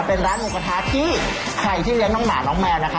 เป็นร้านหมูกระทะที่ใครที่เลี้ยงน้องหมาน้องแมวนะคะ